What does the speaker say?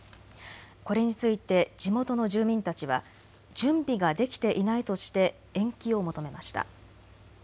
これについて地元の住民たちは準備ができていないとして延期を求めました。